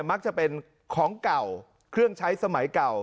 มักจะเป็นของเก่าเครื่องใช้สมัยเก่า